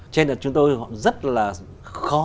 cho nên là chúng tôi rất là khó